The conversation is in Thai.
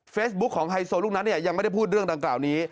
ฟิฟิวของฮัยโซลูกนัดยังไม่ได้พูดเรื่องต่างกล่านี้